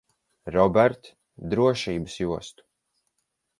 Robert, drošības jostu.